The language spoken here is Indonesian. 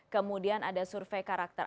kemudian ada survei karakter